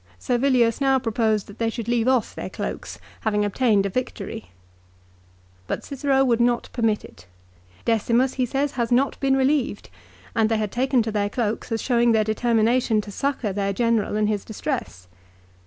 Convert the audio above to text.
Servilius now proposed that they should leave off their cloaks, having obtained a victory. But Cicero would not permit it. Decirnus, he says, has not been relieved, and they had taken to their cloaks as showing their determination to succour their general in his distress.